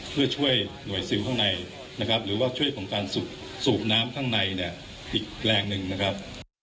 เพื่อช่วยหน่วยซิลข้างในนะครับหรือว่าช่วยของการสูบน้ำข้างในเนี่ยอีกแรงหนึ่งนะครับ